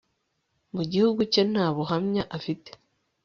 Mu gihugu cye nta buhamya afite